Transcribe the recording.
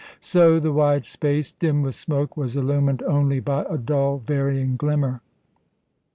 So the wide space, dim with smoke, was illumined only by a dull, varying glimmer.